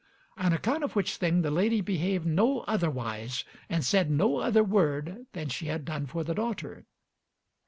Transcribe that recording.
On account of which thing the lady behaved no otherwise and said no other word than she had done for the daughter.